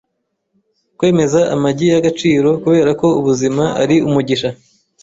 Kwemeza amagi yagaciro Kuberako ubuzima ari umugisha